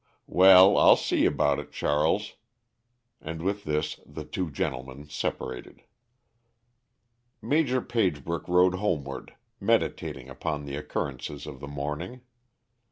"Well, I'll see about it, Charles," and with this the two gentlemen separated. Major Pagebrook rode homeward, meditating upon the occurrences of the morning.